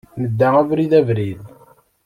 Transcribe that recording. Nedda abrid, abrid.